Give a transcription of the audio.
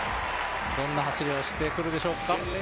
どんな走りをしてくるでしょうか。